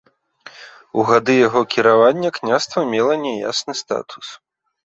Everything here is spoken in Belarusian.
У гады яго кіравання княства мела няясны статус.